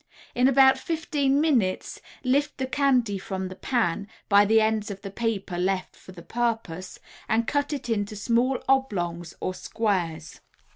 In about fifteen minutes lift the candy from the pan (by the ends of the paper left for the purpose) and cut it into small oblongs or squares.